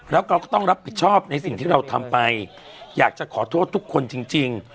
แล้วเขาก็ต้องรับผิดชอบในสิ่งที่เราทำไปอยากจะขอโทษทุกคนจริง